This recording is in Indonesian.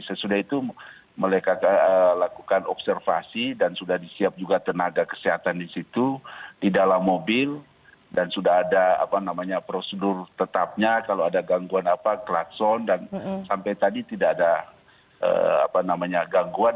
sesudah itu mereka lakukan observasi dan sudah disiapkan juga tenaga kesehatan di situ di dalam mobil dan sudah ada prosedur tetapnya kalau ada gangguan klakson dan sampai tadi tidak ada gangguan